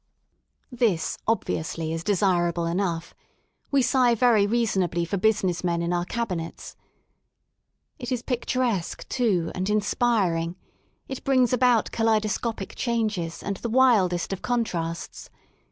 This obviously is desirable enough; we sigh very reasonably for business men in our cabinets. It is pic turesque too, and inspiring, it brings about kaleido scopic changes^ and the wildest of contrasts.